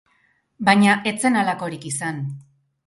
Baina ez zen halakorik izan.